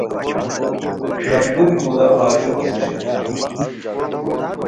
کندوری مودا پھارشوخڅیشیر